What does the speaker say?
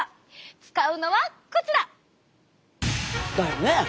使うのはこちら！だよねえ。